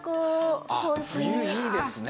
冬いいですね。